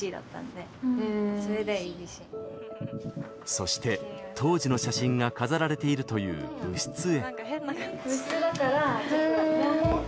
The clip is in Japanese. そして当時の写真が飾られているという部室へ。